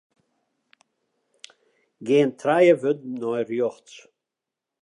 Gean trije wurden nei rjochts.